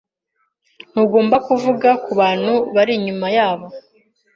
Ntugomba kuvuga kubantu bari inyuma yabo.